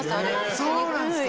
そうなんですか。